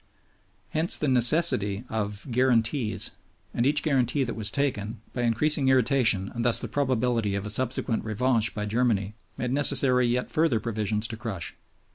Hence the necessity of "guarantees"; and each guarantee that was taken, by increasing irritation and thus the probability of a subsequent Revanche by Germany, made necessary yet further provisions to crush.